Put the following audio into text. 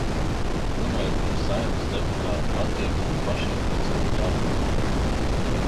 Runa ir par Saeimas deputātu attieksmi pašiem pret savu darbu.